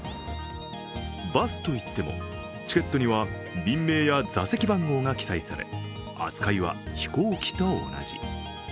バスと言ってもチケットには便名や座席番号が記載され、扱いは飛行機と同じ。